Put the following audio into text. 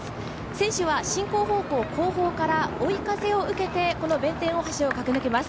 選手は進行方向後方から追い風を受けてこの弁天大橋を駆け抜けます。